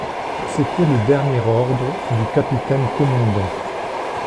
C'était le dernier ordre du capitaine commandant.